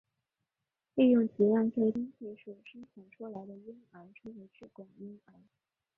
利用体外受精技术生产出来的婴儿称为试管婴儿。